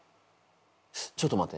ちょっと待て。